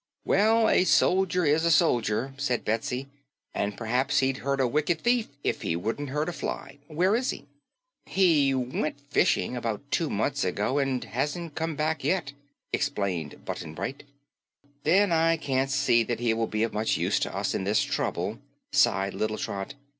"Well, a soldier is a soldier," said Betsy, "and perhaps he'd hurt a wicked thief if he wouldn't hurt a fly. Where is he?" "He went fishing about two months ago and hasn't come back yet," explained Button Bright. "Then I can't see that he will be of much use to us in this trouble," sighed little Trot.